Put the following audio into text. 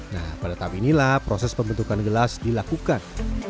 nah pada tahap inilah proses pembentukan gelas dilakukan